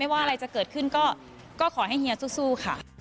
ไม่ว่าอะไรจะเกิดซึ่งก็ก็ขอให้เหเหยียสู้ค่ะ